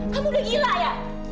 kamu udah gila ya